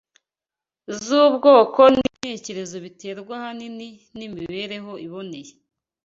z’ubwonko n’intekerezo biterwa ahanini n’imibereho iboneye